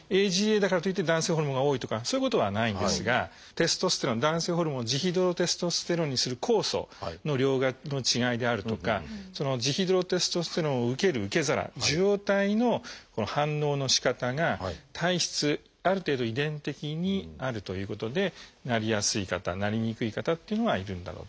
ＡＧＡだからといって男性ホルモンが多いとかそういうことはないんですがテストステロン男性ホルモンをジヒドロテストステロンにする酵素の量の違いであるとかジヒドロテストステロンを受ける受け皿受容体の反応のしかたが体質ある程度遺伝的にあるということでなりやすい方なりにくい方っていうのがいるんだろうといわれてます。